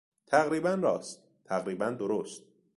تقریبا راست، تقریبا درست